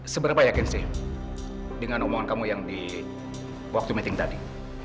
seberapa yakin sih dengan omongan kamu yang di waktu meeting tadi